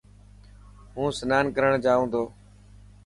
هون سنان ڪرڻ جائون تو.